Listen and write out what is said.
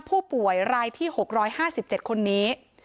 ผู้ป่วยรายที่๖๕๗คนนี้